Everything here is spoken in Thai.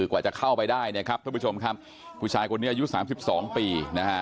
กว่าจะเข้าไปได้ผู้ชายคนนี้อายุ๓๒ปี